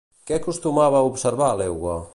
Què acostumava a observar l'euga?